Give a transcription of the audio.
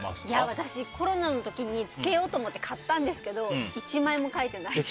私、コロナの時につけようと思って買ったんですけど１枚も書いてないです。